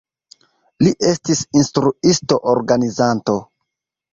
Li estis instruisto, organizanto.